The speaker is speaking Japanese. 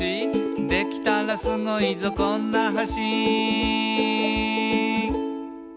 「できたらスゴいぞこんな橋」